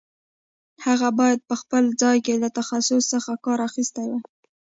هغه باید په هغه ځای کې له تخصص څخه کار اخیستی وای.